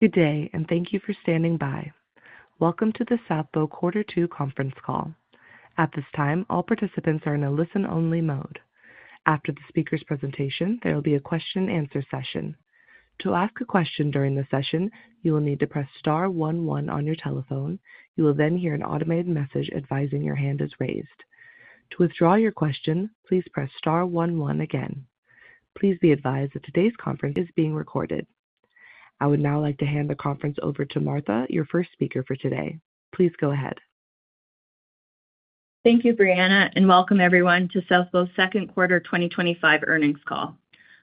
Good day, and thank you for standing by. Welcome to the South Bow Quarter Two Conference Call. At this time, all participants are in a listen-only mode. After the speaker's presentation, there will be a question-and-answer session. To ask a question during the session, you will need to press star one one on your telephone. You will then hear an automated message advising your hand is raised. To withdraw your question, please press star one-one again. Please be advised that today's conference is being recorded. I would now like to hand the conference over to Martha, your first speaker for today. Please go ahead. Thank you, Brianna, and welcome everyone to South Bow's Second Quarter 2025 Earnings Call.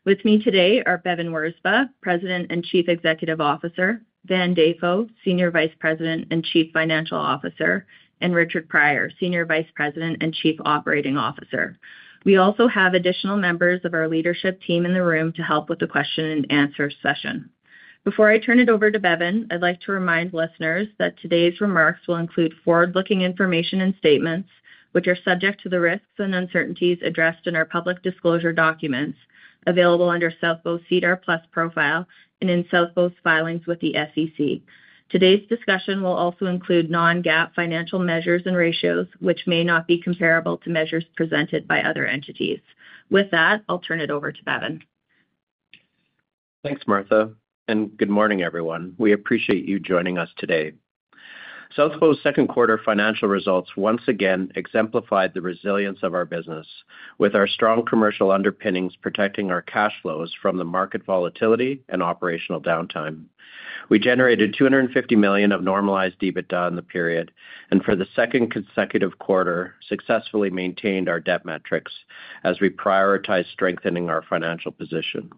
With me today are Bevin Wirzba, President and Chief Executive Officer, Van Dafoe, Senior Vice President and Chief Financial Officer, and Richard Prior, Senior Vice President and Chief Operating Officer. We also have additional members of our leadership team in the room to help with the question-and-answer session. Before I turn it over to Bevin, I'd like to remind listeners that today's remarks will include forward-looking information and statements, which are subject to the risks and uncertainties addressed in our public disclosure documents available under South Bow's SEDAR+ profile and in South Bow's filings with the SEC. Today's discussion will also include non-GAAP financial measures and ratios, which may not be comparable to measures presented by other entities. With that, I'll turn it over to Bevin. Thanks, Martha, and good morning, everyone. We appreciate you joining us today. South Bow's second quarter financial results once again exemplified the resilience of our business, with our strong commercial underpinnings protecting our cash flows from the market volatility and operational downtime. We generated CND 250 million of normalized EBITDA in the period, and for the second consecutive quarter, successfully maintained our debt metrics as we prioritized strengthening our financial position.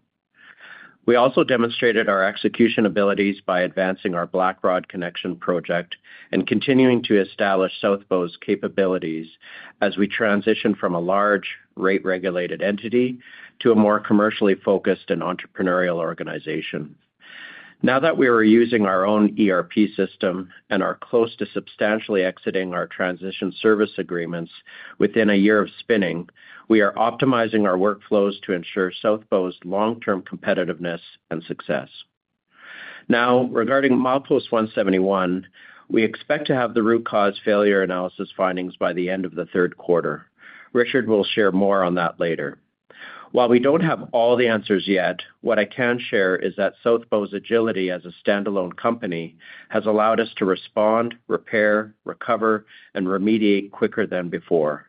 We also demonstrated our execution abilities by advancing our Blackrod Connection Project and continuing to establish South Bow's capabilities as we transitioned from a large rate-regulated entity to a more commercially focused and entrepreneurial organization. Now that we are using our own ERP system and are close to substantially exiting our transition service agreements within a year of spinning, we are optimizing our workflows to ensure South Bow's long-term competitiveness and success. Now, regarding milepost 171, we expect to have the root cause failure analysis findings by the end of the third quarter. Richard will share more on that later. While we don't have all the answers yet, what I can share is that South Bow's agility as a standalone company has allowed us to respond, repair, recover, and remediate quicker than before.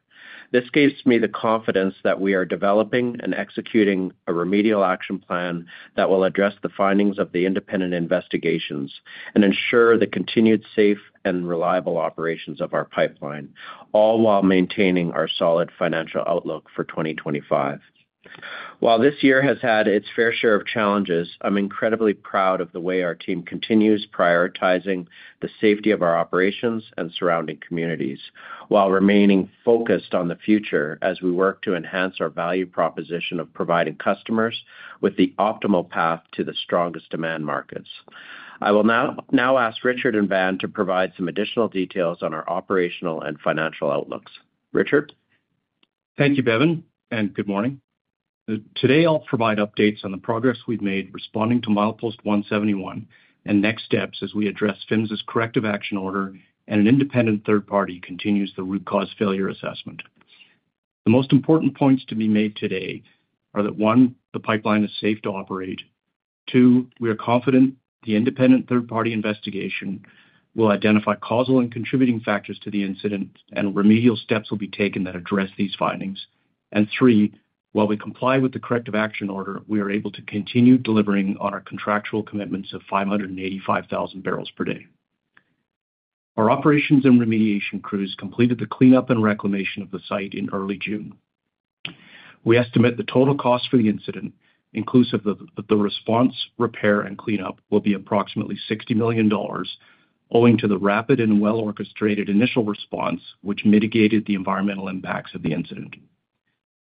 This gives me the confidence that we are developing and executing a remedial action plan that will address the findings of the independent investigations and ensure the continued safe and reliable operations of our pipeline, all while maintaining our solid financial outlook for 2025. While this year has had its fair share of challenges, I'm incredibly proud of the way our team continues prioritizing the safety of our operations and surrounding communities, while remaining focused on the future as we work to enhance our value proposition of providing customers with the optimal path to the strongest demand markets. I will now ask Richard and Van to provide some additional details on our operational and financial outlooks. Richard? Thank you, Bevin, and good morning. Today, I'll provide updates on the progress we've made responding to Milepost 171 and next steps as we address PHMSA's corrective action order and an independent third party continues the root cause failure assessment. The most important points to be made today are that, one, the pipeline is safe to operate; two, we are confident the independent third-party investigation will identify causal and contributing factors to the incident, and remedial steps will be taken that address these findings; and three, while we comply with the corrective action order, we are able to continue delivering on our contractual commitments of 585,000 bbl per day. Our operations and remediation crews completed the cleanup and reclamation of the site in early June. We estimate the total cost for the incident, inclusive of the response, repair, and cleanup, will be approximately CND 60 million, owing to the rapid and well-orchestrated initial response, which mitigated the environmental impacts of the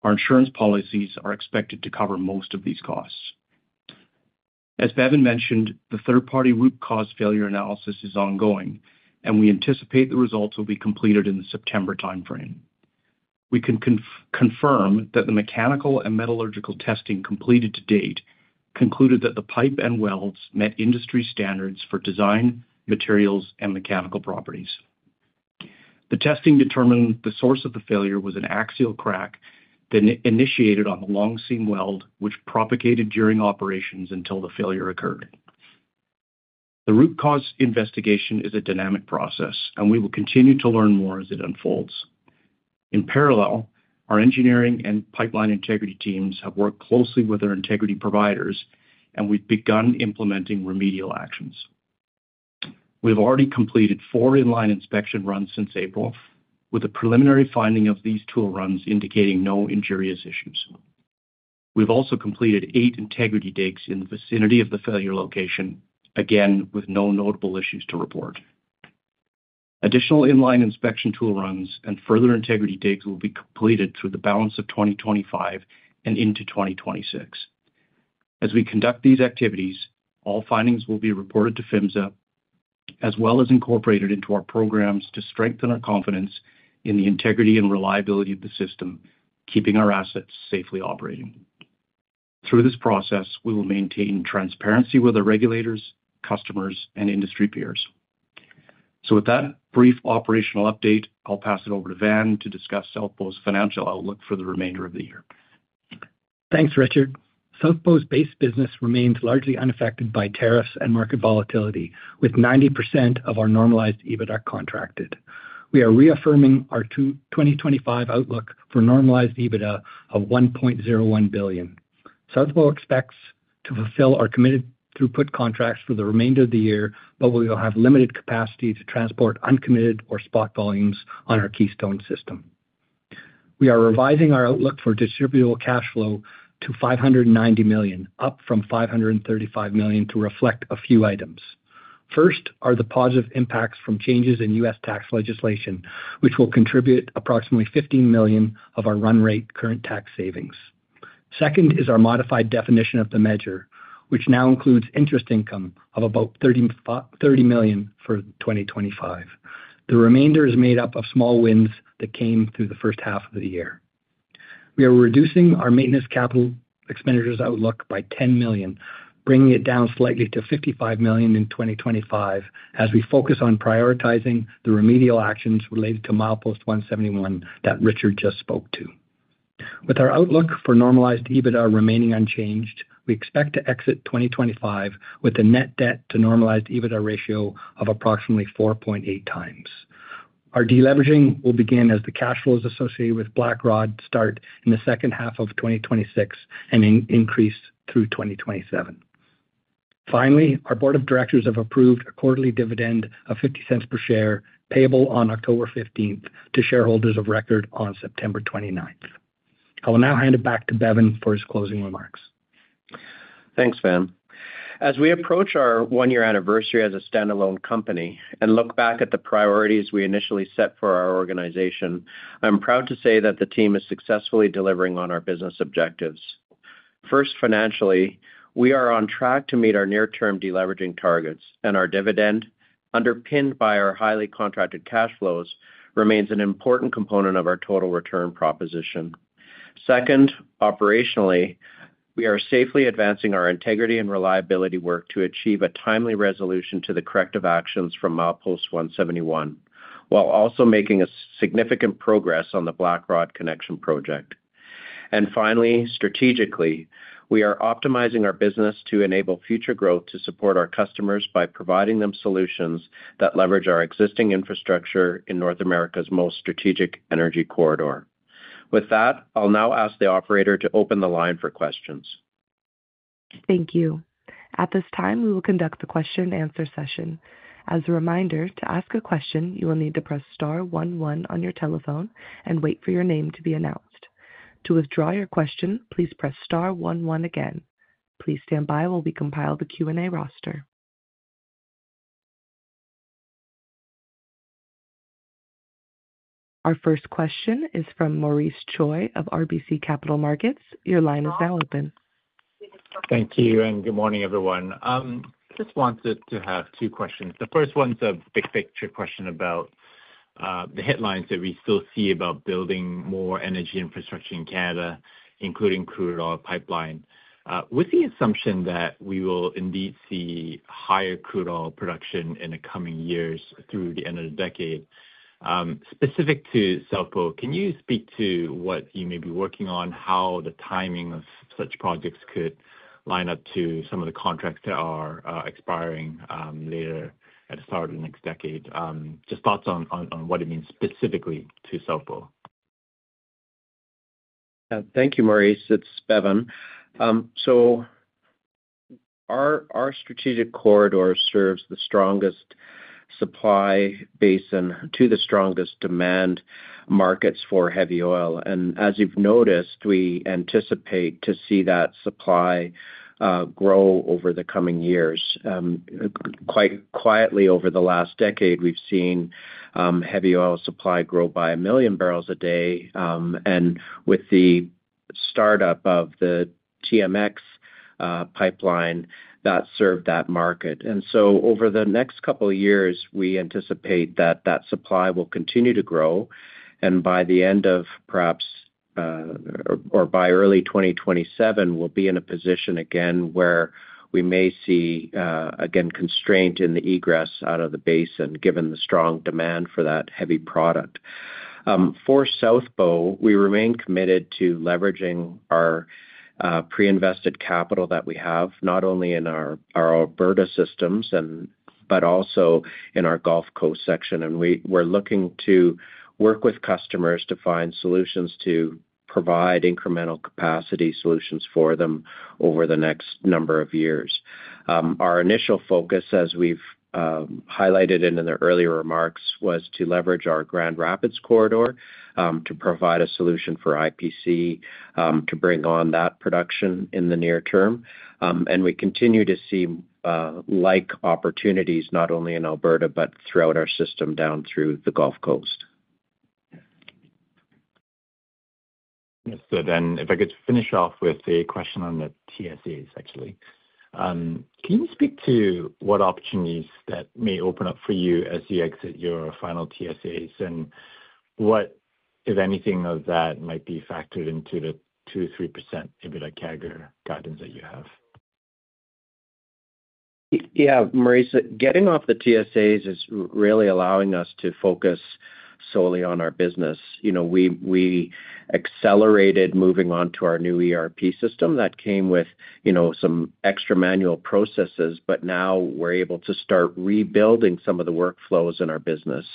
incident. Our insurance policies are expected to cover most of these costs. As Bevin mentioned, the third-party root cause failure analysis is ongoing, and we anticipate the results will be completed in the September timeframe. We can confirm that the mechanical and metallurgical testing completed to date concluded that the pipe and welds met industry standards for design, materials, and mechanical properties. The testing determined the source of the failure was an axial crack initiated on the long seam weld, which propagated during operations until the failure occurred. The root cause investigation is a dynamic process, and we will continue to learn more as it unfolds. In parallel, our engineering and pipeline integrity teams have worked closely with our integrity providers, and we've begun implementing remedial actions. We have already completed four in-line inspection runs since April, with a preliminary finding of these tool runs indicating no injurious issues. We've also completed eight integrity digs in the vicinity of the failure location, again with no notable issues to report. Additional in-line inspection tool runs and further integrity digs will be completed through the balance of 2025 and into 2026. As we conduct these activities, all findings will be reported to PHMSA, as well as incorporated into our programs to strengthen our confidence in the integrity and reliability of the system, keeping our assets safely operating. Through this process, we will maintain transparency with our regulators, customers, and industry peers. With that brief operational update, I'll pass it over to Van to discuss South Bow's financial outlook for the remainder of the year. Thanks, Richard. South Bow's base business remains largely unaffected by tariffs and market volatility, with 90% of our normalized EBITDA contracted. We are reaffirming our 2025 outlook for normalized EBITDA of CND 1.01 billion. South Bow expects to fulfill our committed throughput contracts for the remainder of the year, but we will have limited capacity to transport uncommitted or spot volumes on our Keystone system. We are revising our outlook for distributable cash flow to CND 590 million, up from CND 535 million to reflect a few items. First are the positive impacts from changes in U.S. tax legislation, which will contribute approximately CND 15 million of our run-rate current tax savings. Second is our modified definition of the measure, which now includes interest income of about CND 30 million for 2025. The remainder is made up of small wins that came through the first half of the year. We are reducing our maintenance capital expenditures outlook by CND 10 million, bringing it down slightly to CND 55 million in 2025 as we focus on prioritizing the remedial actions related to Milepost 171 that Richard just spoke to. With our outlook for normalized EBITDA remaining unchanged, we expect to exit 2025 with a net debt-to-normalized EBITDA ratio of approximately 4.8x. Our deleveraging will begin as the cash flows associated with Blackrod start in the second half of 2026 and increase through 2027. Finally, our board of directors has approved a quarterly dividend of CND 0.50 per share, payable on October 15 to shareholders of record on September 29. I will now hand it back to Bevin for his closing remarks. Thanks, Van. As we approach our one-year anniversary as a standalone company and look back at the priorities we initially set for our organization, I'm proud to say that the team is successfully delivering on our business objectives. First, financially, we are on track to meet our near-term deleveraging targets, and our dividend, underpinned by our highly contracted cash flows, remains an important component of our total return proposition. Second, operationally, we are safely advancing our integrity and reliability work to achieve a timely resolution to the corrective actions from Milepost 171, while also making significant progress on the Blackrod Connection Project. Finally, strategically, we are optimizing our business to enable future growth to support our customers by providing them solutions that leverage our existing infrastructure in North America's most strategic energy corridor. With that, I'll now ask the operator to open the line for questions. Thank you. At this time, we will conduct the question-and-answer session. As a reminder, to ask a question, you will need to press star one one on your telephone and wait for your name to be announced. To withdraw your question, please press star one one again. Please stand by while we compile the Q&A roster. Our first question is from Maurice Choy of RBC Capital Markets. Your line is now open. Thank you, and good morning, everyone. I just wanted to have two questions. The first one is a big-picture question about the headlines that we still see about building more energy infrastructure in Canada, including crude oil pipeline infrastructure, with the assumption that we will indeed see higher crude oil production in the coming years through the end of the decade. Specific to South Bow, can you speak to what you may be working on, how the timing of such projects could line up to some of the contracts that are expiring later at the start of the next decade? Just thoughts on what it means specifically to South Bow. Thank you, Maurice. It's Bevin. Our strategic corridor serves the strongest supply basin to the strongest demand markets for heavy oil. As you've noticed, we anticipate to see that supply grow over the coming years. Quite quietly over the last decade, we've seen heavy oil supply grow by a million barrels a day. With the startup of the TMX pipeline that served that market. Over the next couple of years, we anticipate that supply will continue to grow. By the end of perhaps or by early 2027, we'll be in a position again where we may see, again, constraint in the egress out of the basin, given the strong demand for that heavy product. For South Bow, we remain committed to leveraging our pre-invested capital that we have, not only in our Alberta systems, but also in our Gulf Coast section. We're looking to work with customers to find solutions to provide incremental capacity solutions for them over the next number of years. Our initial focus, as we've highlighted in the earlier remarks, was to leverage our Grand Rapids corridor to provide a solution for IPC to bring on that production in the near term. We continue to see like opportunities, not only in Alberta, but throughout our system down through the Gulf Coast. Understood. If I could finish off with a question on the transition service agreements, actually. Can you speak to what opportunities that may open up for you as you exit your final transition service agreements and what, if anything, of that might be factored into the 2%-3% EBITDA CAGR guidance that you have? Yeah, Maurice, getting off the TSAs is really allowing us to focus solely on our business. We accelerated moving on to our new ERP system that came with some extra manual processes, but now we're able to start rebuilding some of the workflows in our business.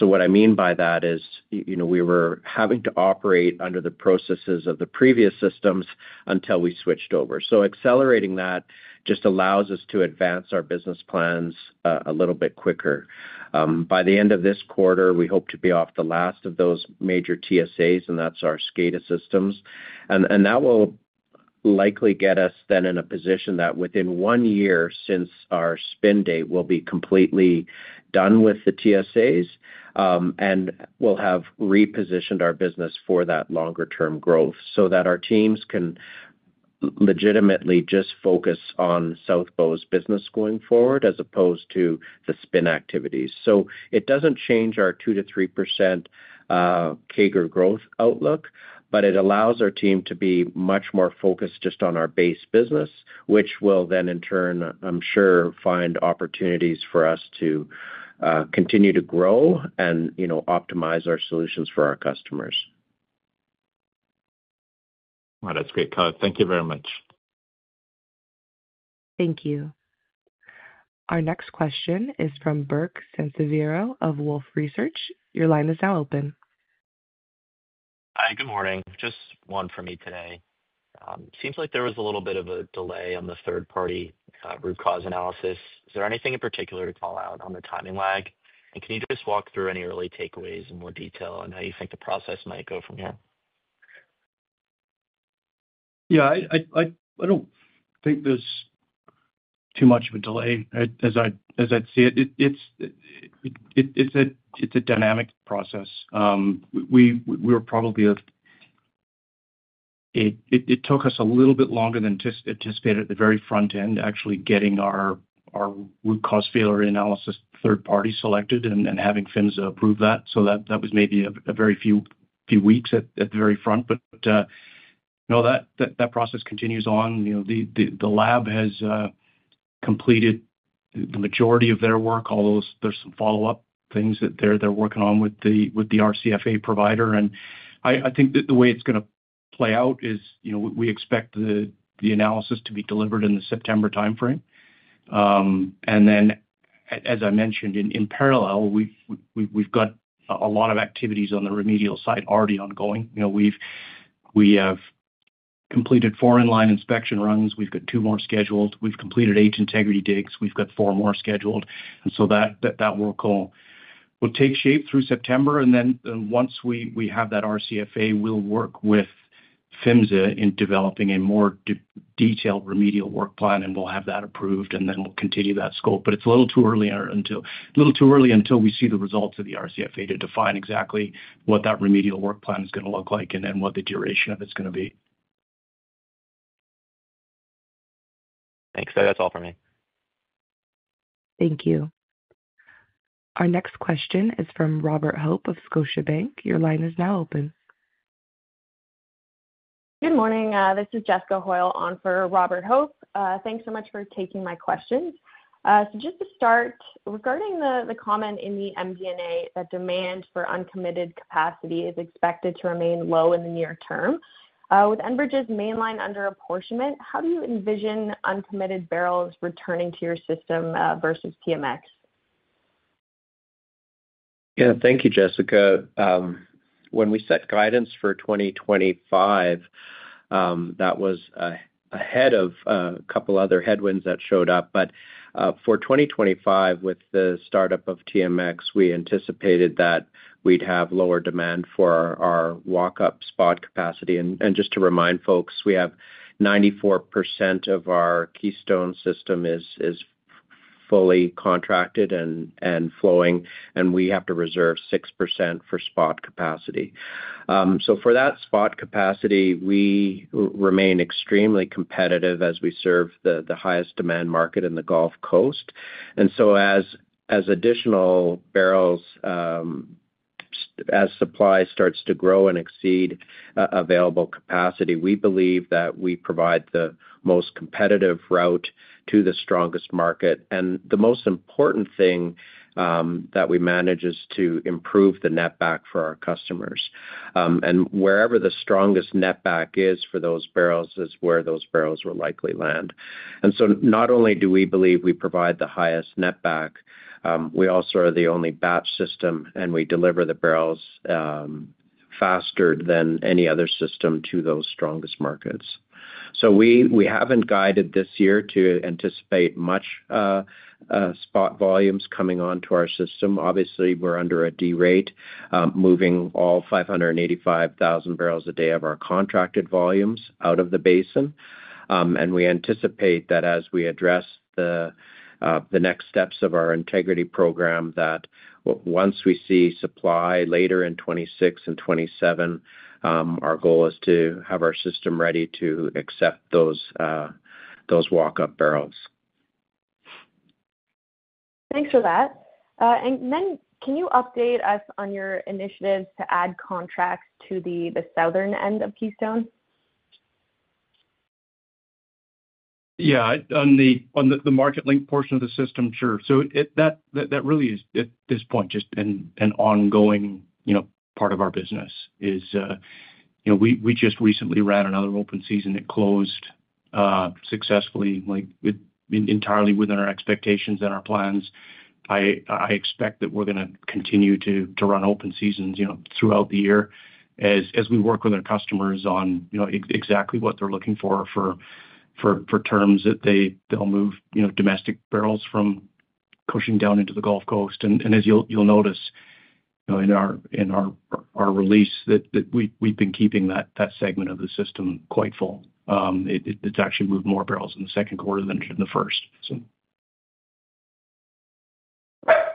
What I mean by that is we were having to operate under the processes of the previous systems until we switched over. Accelerating that just allows us to advance our business plans a little bit quicker. By the end of this quarter, we hope to be off the last of those major TSAs, and that's our SCADA systems. That will likely get us then in a position that within one year since our spin date, we'll be completely done with the TSAs and we'll have repositioned our business for that longer-term growth so that our teams can legitimately just focus on South Bow's business going forward as opposed to the spin activities. It doesn't change our 2%-3% CAGR growth outlook, but it allows our team to be much more focused just on our base business, which will then, in turn, I'm sure, find opportunities for us to continue to grow and optimize our solutions for our customers. Wow, that's great, Keller. Thank you very much. Thank you. Our next question is from Burke Sansiviero of Wolfe Research. Your line is now open. Hi, good morning. Just one from you today. It seems like there was a little bit of a delay on the third-party root cause analysis. Is there anything in particular to call out on the timing lag? Can you just walk through any early takeaways in more detail on how you think the process might go from here? Yeah, I don't think there's too much of a delay as I'd see it. It's a dynamic process. It took us a little bit longer than anticipated at the very front end, actually getting our root cause failure analysis third party selected and having PHMSA approve that. That was maybe a very few weeks at the very front. No, that process continues on. The lab has completed the majority of their work, although there's some follow-up things that they're working on with the RCFA provider. I think that the way it's going to play out is, we expect the analysis to be delivered in the September timeframe. As I mentioned, in parallel, we've got a lot of activities on the remedial site already ongoing. We have completed four in-line inspection runs. We've got two more scheduled. We've completed eight integrity digs. We've got four more scheduled. That work will take shape through September. Once we have that RCFA, we'll work with PHMSA in developing a more detailed remedial work plan, and we'll have that approved, and then we'll continue that scope. It's a little too early until we see the results of the RCFA to define exactly what that remedial work plan is going to look like and what the duration of it's going to be. Thanks. That's all for me. Thank you. Our next question is from Robert Hope of Scotiabank. Your line is now open. Good morning. This is Jessica Hoyle on for Robert Hope. Thanks so much for taking my questions. Just to start, regarding the comment in the MD&A that demand for uncommitted capacity is expected to remain low in the near term, with Enbridge's main line under apportionment, how do you envision uncommitted barrels returning to your system versus TMX? Thank you, Jessica. When we set guidance for 2025, that was ahead of a couple of other headwinds that showed up. For 2025, with the startup of TMX, we anticipated that we'd have lower demand for our walk-up spot capacity. Just to remind folks, 94% of our Keystone system is fully contracted and flowing, and we have to reserve 6% for spot capacity. For that spot capacity, we remain extremely competitive as we serve the highest demand market in the Gulf Coast. As additional barrels, as supply starts to grow and exceed available capacity, we believe that we provide the most competitive route to the strongest market. The most important thing that we manage is to improve the netback for our customers. Wherever the strongest netback is for those barrels is where those barrels will likely land. Not only do we believe we provide the highest netback, we also are the only batch system, and we deliver the barrels faster than any other system to those strongest markets. We haven't guided this year to anticipate much spot volumes coming onto our system. Obviously, we're under a D rate, moving all 585,000 bbl a day of our contracted volumes out of the basin. We anticipate that as we address the next steps of our integrity program, once we see supply later in 2026 and 2027, our goal is to have our system ready to accept those walk-up barrels. Thanks for that. Can you update us on your initiatives to add contracts to the southern end of Keystone? Yeah, on the market link portion of the system, sure. That really is, at this point, just an ongoing part of our business. We just recently ran another open season that closed successfully, entirely within our expectations and our plans. I expect that we're going to continue to run open seasons throughout the year as we work with our customers on exactly what they're looking for for terms that they'll move domestic barrels from pushing down into the Gulf Coast. As you'll notice, in our release, we've been keeping that segment of the system quite full. It's actually moved more barrels in the second quarter than it did in the first.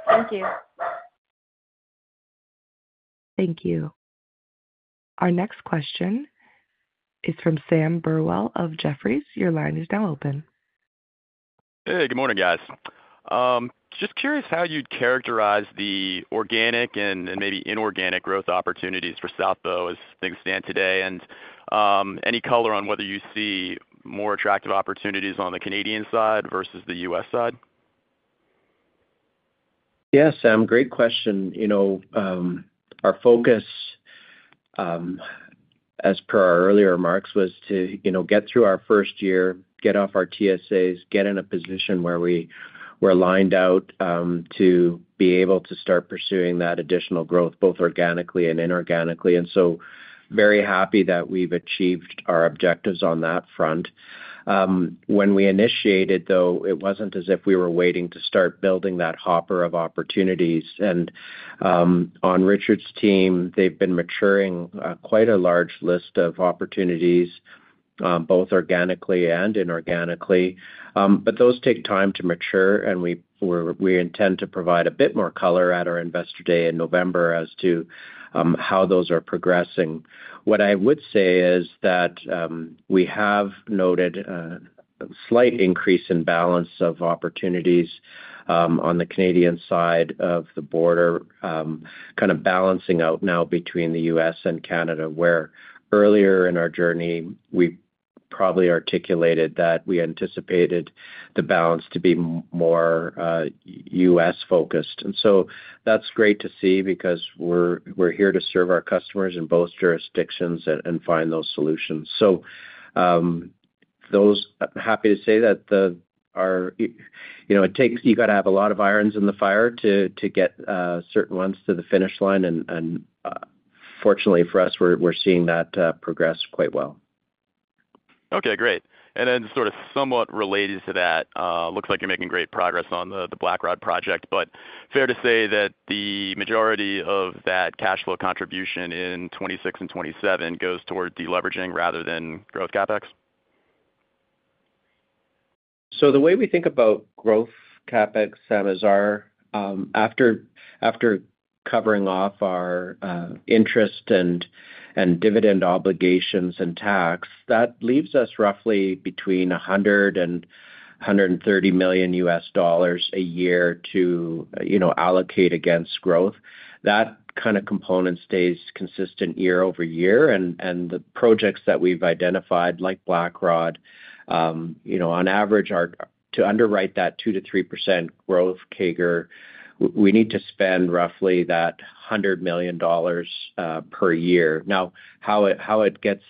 Thank you. Thank you. Our next question is from Sam Burwell of Jefferies. Your line is now open. Hey, good morning, guys. Just curious how you'd characterize the organic and maybe inorganic growth opportunities for South Bow as things stand today, and any color on whether you see more attractive opportunities on the Canadian side versus the U.S. side? Yeah, Sam, great question. Our focus, as per our earlier remarks, was to get through our first year, get off our transition service agreements, get in a position where we're lined out to be able to start pursuing that additional growth, both organically and inorganically. I am very happy that we've achieved our objectives on that front. When we initiated, though, it wasn't as if we were waiting to start building that hopper of opportunities. On Richard's team, they've been maturing quite a large list of opportunities, both organically and inorganically. Those take time to mature, and we intend to provide a bit more color at our investor day in November as to how those are progressing. What I would say is that we have noted a slight increase in balance of opportunities on the Canadian side of the border, kind of balancing out now between the U.S. and Canada, where earlier in our journey, we probably articulated that we anticipated the balance to be more U.S.-focused. That's great to see because we're here to serve our customers in both jurisdictions and find those solutions. I am happy to say that you've got to have a lot of irons in the fire to get certain ones to the finish line. Fortunately for us, we're seeing that progress quite well. Okay, great. Sort of somewhat related to that, it looks like you're making great progress on the Blackrod Connection Project, but fair to say that the majority of that cash flow contribution in 2026 and 2027 goes toward deleveraging rather than growth CapEx? The way we think about growth CapEx, Sam, is after covering off our interest and dividend obligations and tax, that leaves us roughly between $100 million-$130 million U.S. dollars a year to allocate against growth. That kind of component stays consistent year over year. The projects that we've identified, like Blackrod, on average, to underwrite that 2%-3% growth CAGR, we need to spend roughly that CND 100 million per year. Now, how it gets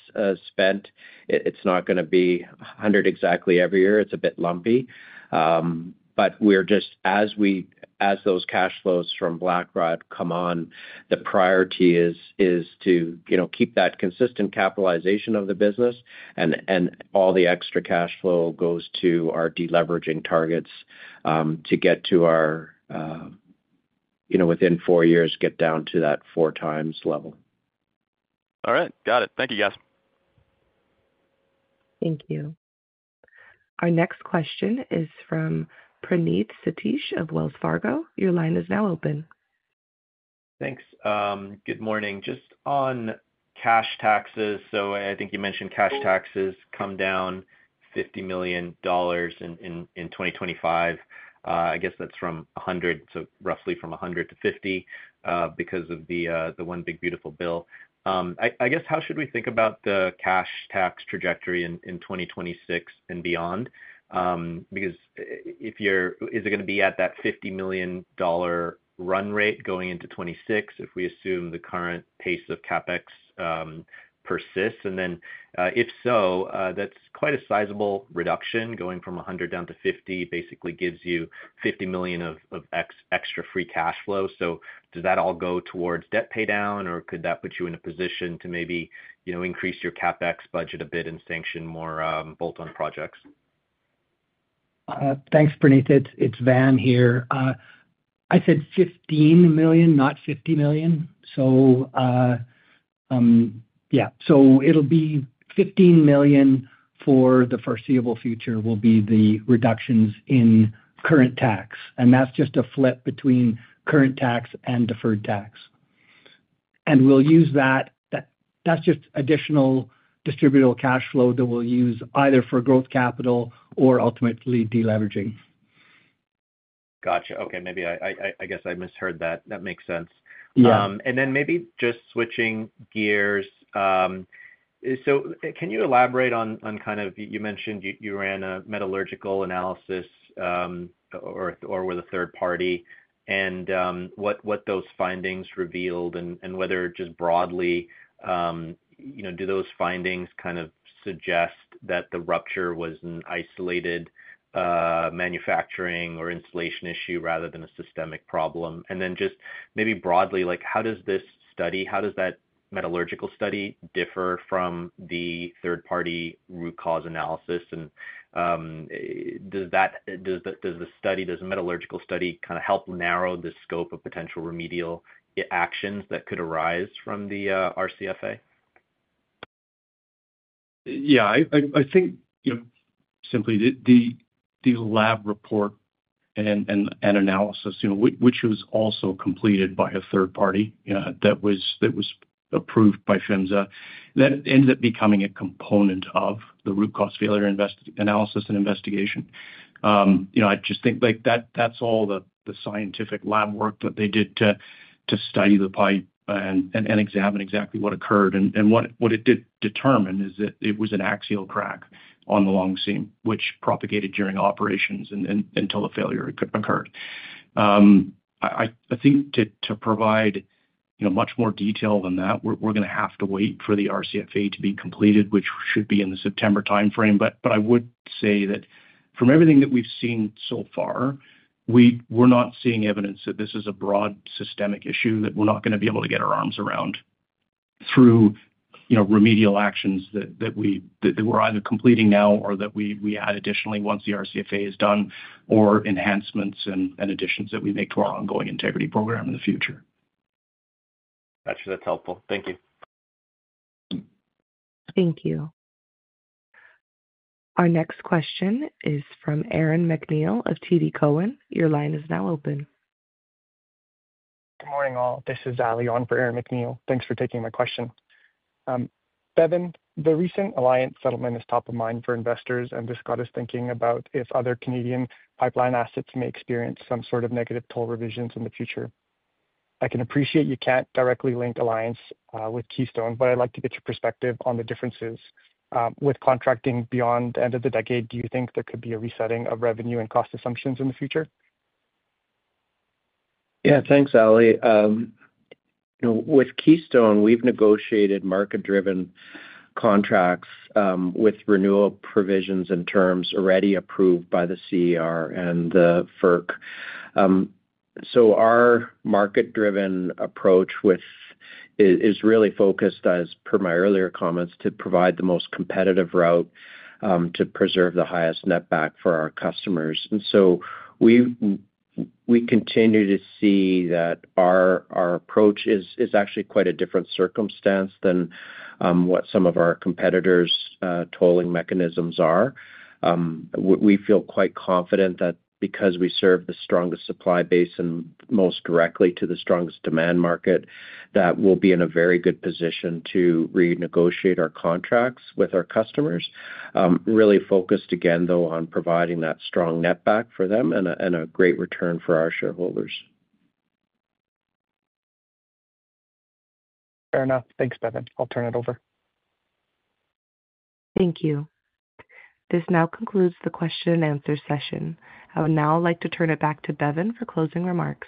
spent, it's not going to be CND 100 million exactly every year. It's a bit lumpy. As those cash flows from Blackrod come on, the priority is to keep that consistent capitalization of the business. All the extra cash flow goes to our deleveraging targets to get to our, you know, within four years, get down to that 4x level. All right. Got it. Thank you, guys. Thank you. Our next question is from Praneeth Satish of Wells Fargo. Your line is now open. Thanks. Good morning. Just on cash taxes, I think you mentioned cash taxes come down CND 50 million in 2025. I guess that's from CND 100 million, so roughly from CND 100 million to CND 50 million because of the one big beautiful bill. How should we think about the cash tax trajectory in 2026 and beyond? If you're, is it going to be at that CND 50 million run rate going into 2026 if we assume the current pace of CapEx persists? If so, that's quite a sizable reduction. Going from CND 100 million down to CND 50 million basically gives you CND 50 million of extra free cash flow. Does that all go towards debt paydown, or could that put you in a position to maybe increase your CapEx budget a bit and sanction more bolt-on projects? Thanks, Praneeth. It's Van here. I said CND 15 million, not CND 50 million. It'll be CND 15 million for the foreseeable future, which will be the reductions in current tax. That's just a flip between current tax and deferred tax. We'll use that. That's just additional distributable cash flow that we'll use either for growth capital or ultimately deleveraging. Gotcha. Okay, maybe I guess I misheard that. That makes sense. Maybe just switching gears, can you elaborate on, you mentioned you ran a metallurgical analysis with a third party and what those findings revealed and whether, just broadly, do those findings suggest that the rupture was an isolated manufacturing or installation issue rather than a systemic problem? Just broadly, how does this study, how does that metallurgical study differ from the third-party root cause analysis? Does the metallurgical study help narrow the scope of potential remedial actions that could arise from the RCFA? Yeah, I think, you know, simply the lab report and analysis, you know, which was also completed by a third party that was approved by PHMSA, that ended up becoming a component of the root cause failure analysis and investigation. I just think like that's all the scientific lab work that they did to study the pipe and examine exactly what occurred. What it did determine is that it was an axial crack on the long seam, which propagated during operations until a failure occurred. I think to provide, you know, much more detail than that, we're going to have to wait for the RCFA to be completed, which should be in the September timeframe. I would say that from everything that we've seen so far, we're not seeing evidence that this is a broad systemic issue that we're not going to be able to get our arms around through remedial actions that we're either completing now or that we add additionally once the RCFA is done or enhancements and additions that we make to our ongoing integrity program in the future. Gotcha. That's helpful. Thank you. Thank you. Our next question is from Aaron McNeil of TD Cowen. Your line is now open. Good morning, all. This is Ali on for Aaron McNeil. Thanks for taking my question. Bevin, the recent Alliance settlement is top of mind for investors, and this got us thinking about if other Canadian pipeline assets may experience some sort of negative toll revisions in the future. I can appreciate you can't directly link Alliance with Keystone, but I'd like to get your perspective on the differences. With contracting beyond the end of the decade, do you think there could be a resetting of revenue and cost assumptions in the future? Yeah, thanks, Ali. With Keystone, we've negotiated market-driven contracts with renewal provisions and terms already approved by the CER and the FERC. Our market-driven approach is really focused, as per my earlier comments, to provide the most competitive route to preserve the highest netback for our customers. We continue to see that our approach is actually quite a different circumstance than what some of our competitors' tolling mechanisms are. We feel quite confident that because we serve the strongest supply base and most directly to the strongest demand market, we'll be in a very good position to renegotiate our contracts with our customers, really focused, again, on providing that strong netback for them and a great return for our shareholders. Fair enough. Thanks, Bevin. I'll turn it over. Thank you. This now concludes the question-and-answer session. I would now like to turn it back to Bevin for closing remarks.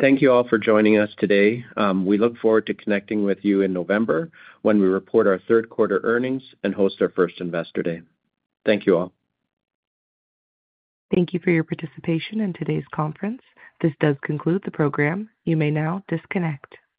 Thank you all for joining us today. We look forward to connecting with you in November when we report our third quarter earnings and host our first investor day. Thank you all. Thank you for your participation in today's conference. This does conclude the program. You may now disconnect.